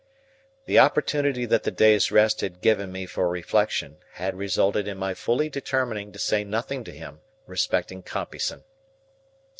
The opportunity that the day's rest had given me for reflection had resulted in my fully determining to say nothing to him respecting Compeyson.